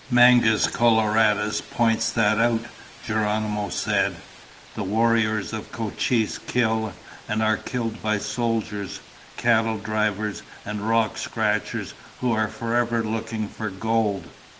"Mangus Coloradus points that out," Geronimo said. "The warriors of Cochise kill and are killed by soldiers, cattle drivers, and rock scratchers who are forever looking for gold.